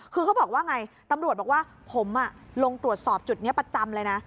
คือเขาบอกว่าไงตำรวจบอกว่าผมลงตรวจสอบจุดนี้ประจำเลยนะ